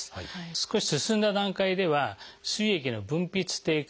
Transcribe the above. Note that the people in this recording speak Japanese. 少し進んだ段階ではすい液の分泌低下